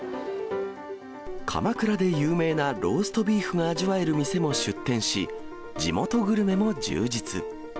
鎌倉で有名なローストビーフが味わえる店も出店し、地元グルメも充実。